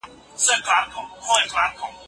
استاد د مقالي لومړۍ بڼه سموي.